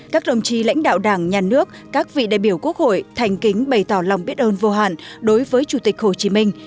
các đồng chí lãnh đạo đảng nhà nước các vị đại biểu quốc hội thành kính bày tỏ lòng biết ơn vô hạn đối với chủ tịch hồ chí minh